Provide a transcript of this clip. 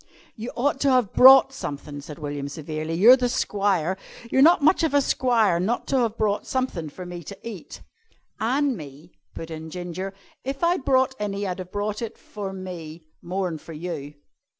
"You ought to have brought sumthin'," said William severely. "You're the squire. You're not much of a squire not to have brought sumthin' for me to eat." "An' me," put in Ginger. "If I'd brought any I'd have brought it for me more'n for you."